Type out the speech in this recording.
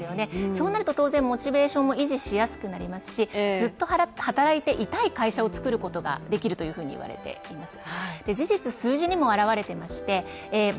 そうなると当然モチベーションを維持しやすくなりますし、ずっと働いていたい会社を作ることができるというふうに言われています。